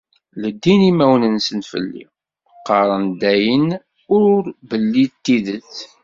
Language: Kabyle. Leddin imawen-nsen fell-i, qqaren-d ayen ur belli d tidet.